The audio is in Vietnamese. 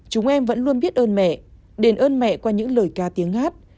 chúng em vẫn luôn biết ơn mẹ đền ơn mẹ qua những lời ca tiếng hát